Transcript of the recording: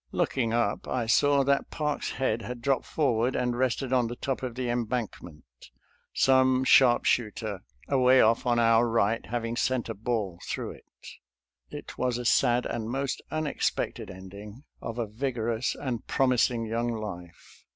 Looking up, I saw that Park's head had dropped forward and rested on the top of the embankment, some sharp shooter away off on our right having sent a ball through it. It was a sad and most unexpected ending of a vigorous and promising young life.